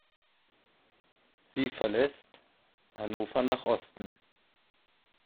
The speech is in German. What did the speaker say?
Sie verlässt Hannover nach Osten.